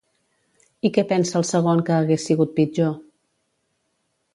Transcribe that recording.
I què pensa el segon que hagués sigut pitjor?